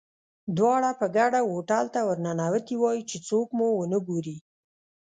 دواړه په ګډه هوټل ته ورننوتي وای، چې څوک مو ونه ګوري.